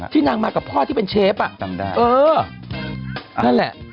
นางมากับพ่อที่เป็นเชฟอ่ะจำได้เออนั่นแหละ